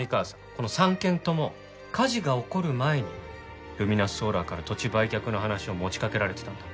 この３軒とも火事が起こる前にルミナスソーラーから土地売却の話を持ちかけられてたんだ。